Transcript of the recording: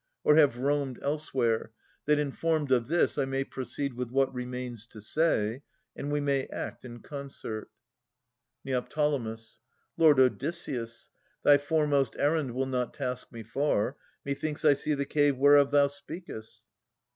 Or have roamed elsewhere, that informed of this I may proceed with what remains to say, And we may act in concert. Neoptolemus. Lord Odysseus, Thy foremost errand will not task me far. Methinks I see the cave whereof thou speakest.